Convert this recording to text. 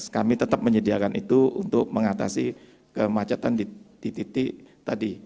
kami tetap menyediakan itu untuk mengatasi kemacetan di titik tadi